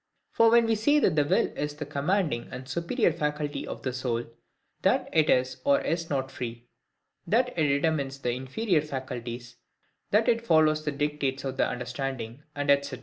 For when we say the WILL is the commanding and superior faculty of the soul; that it is or is not free; that it determines the inferior faculties; that it follows the dictates of the understanding, &c.